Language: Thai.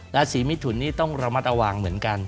ราศีมิถุนนี่ต้องระมัดระวังเหมือนกัน